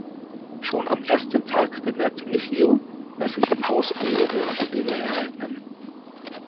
Schon am ersten Tag bemerkt Michio, dass sich im Haus ungewöhnliche Dinge ereignen.